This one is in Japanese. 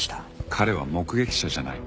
彼は目撃者じゃない。